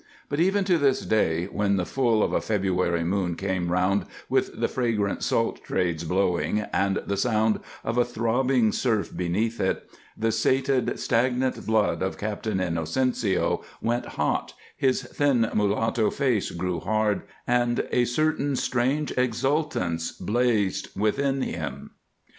But, even to this day, when the full of a February moon came round with the fragrant salt trades blowing and the sound of a throbbing surf beneath it, the sated, stagnant blood of Captain Inocencio went hot, his thin mulatto face grew hard, and a certain strange exultance blazed within him.